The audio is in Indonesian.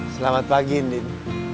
selamat pagi andin